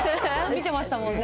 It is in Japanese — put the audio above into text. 見てましたもんね。